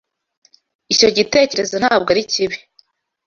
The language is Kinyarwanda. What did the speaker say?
Icyo gitekerezo ntabwo ari kibi